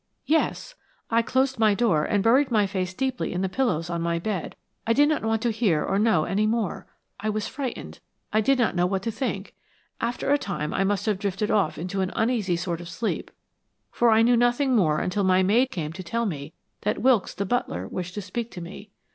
"Yes. I closed my door and buried my face deeply in the pillows on my bed. I did not want to hear or know any more. I was frightened; I did not know what to think. After a time I must have drifted off into an uneasy sort of sleep, for I knew nothing more until my maid came to tell me that Wilkes, the butler, wished to speak to me.